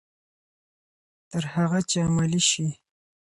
تر هغه چې عملي شي.